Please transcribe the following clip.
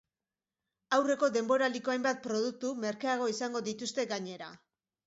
Aurreko denboraldiko hainbat produktu merkeago izango dituzte, gainera.